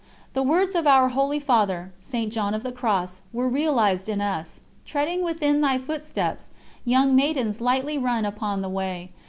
The words of our Holy Father, St. John of the Cross, were realised in us: Treading within Thy Footsteps Young maidens lightly run upon the way.